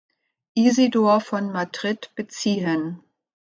Isidor von Madrid beziehen.